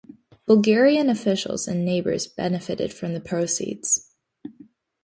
Bulgarian officials and neighbours benefited from the proceeds.